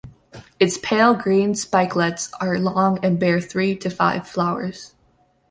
Its pale green spikelets are long and bear three to five flowers.